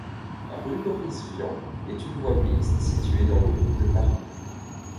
La rue Boris-Vian est une voie mixte située dans le de Paris.